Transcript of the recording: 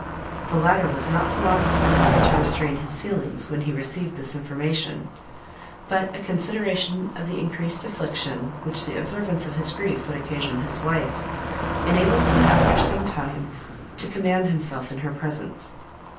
The latter was not philosopher enough to restrain his feelings when he received this information; but a consideration of the increased affliction which the observance of his grief would occasion his wife, enabled him, after some time, to command himself in her presence.